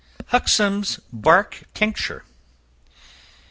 Huxham's Bark Tincture.